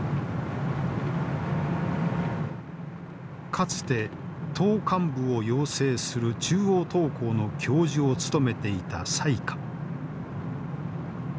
かつて党幹部を養成する中央党校の教授を務めていた蔡霞。